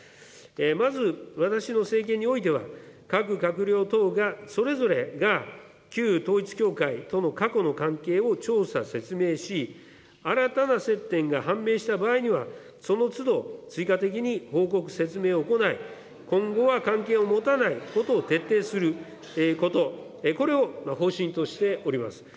まず私の政権においては、各閣僚等がそれぞれが旧統一教会との過去の関係を調査、説明し、新たな接点が判明した場合には、そのつど、追加的に報告、説明を行い、今後は関係を持たないことを徹底すること、これを方針としております。